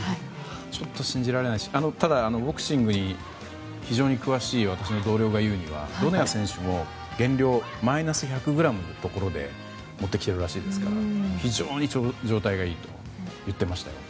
ちょっと信じられないしただ、ボクシングに非常に詳しい私の同僚が言うにはドネア選手も減量マイナス１００ｇまで持ってきているそうですので非常に状態がいいと言っていました。